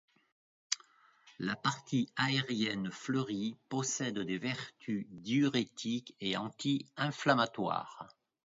La partie aérienne fleurie possède des vertus diurétiques et anti-inflammatoires.